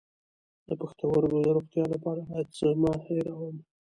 د پښتورګو د روغتیا لپاره باید څه مه هیروم؟